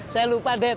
saya lupa det